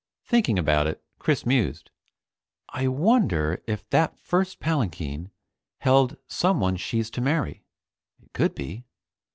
Thinking about it Chris mused: I wonder if that first palanquin held someone she's to marry? It could be.